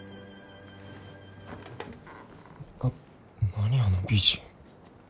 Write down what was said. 何あの美人。